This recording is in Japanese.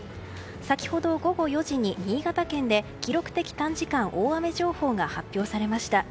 先ほど午後４時に新潟県で記録的短時間大雨情報が発表されました。